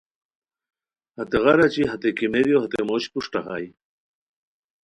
ہیغار اچی ہتے کیمیریو ہتے موش پروشٹہ ہائے